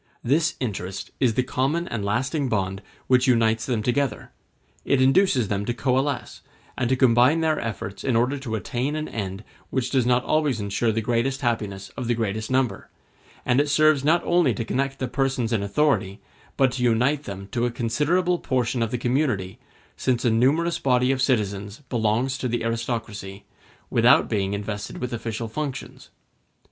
This interest is the common and lasting bond which unites them together; it induces them to coalesce, and to combine their efforts in order to attain an end which does not always ensure the greatest happiness of the greatest number; and it serves not only to connect the persons in authority, but to unite them to a considerable portion of the community, since a numerous body of citizens belongs to the aristocracy, without being invested with official functions.